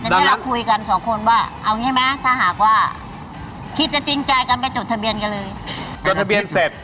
ดังนั้น